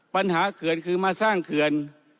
เขื่อนคือมาสร้างเขื่อน